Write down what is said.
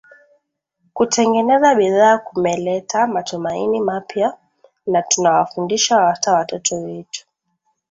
Kutengeneza bidhaa kumeleta matumaini mapya na tunawafundisha hata watoto wetu